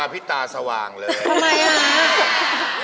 พี่น้วย